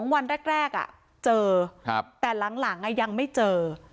วันแรกเจอแต่หลังยังไม่เจอ